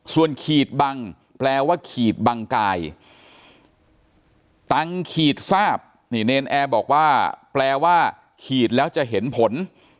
ส่วนขีดบังแปลว่าขีดบังกายตังค์ขีดทราบนี่เนรนแอร์บอกว่าแปลว่าขีดแล้วจะเห็นผล